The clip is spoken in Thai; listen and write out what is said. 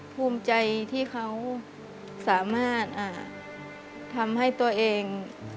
ภูมิใจที่เขาสามารถทำให้ตัวเอง